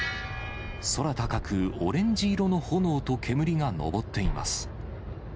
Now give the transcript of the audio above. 空高く、オレンジ色の炎と煙が上っています。